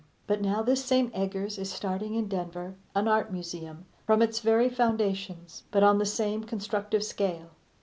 But now this same Eggers is starting, in Denver, an Art Museum from its very foundations, but on the same constructive scale.